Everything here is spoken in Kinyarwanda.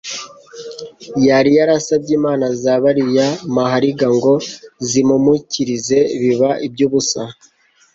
Yari yarasabye Imana z'abariyamahariga ngo zimumukirize biba iby'ubusa;